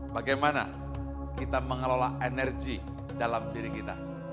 bagaimana kita mengelola energi dalam diri kita